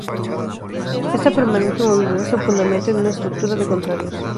Esta permanente movilidad se fundamenta en una estructura de contrarios.